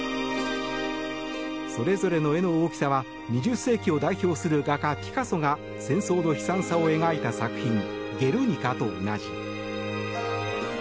それぞれの絵の大きさは２０世紀を代表する画家ピカソが戦争の悲惨さを描いた作品「ゲルニカ」と同じ。